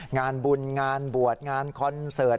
งานบุญงานบวชงานคอนเสิร์ต